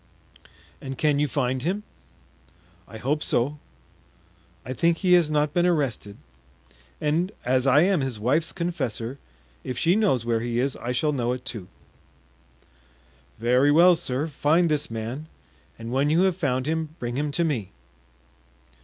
"And can you find him?" "I hope so. I think he has not been arrested, and as I am his wife's confessor, if she knows where he is I shall know it too." "Very well, sir, find this man, and when you have found him bring him to me."